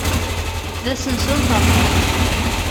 D asensu n terfeht.